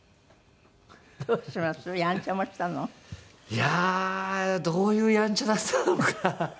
いやあどういうやんちゃだったのか。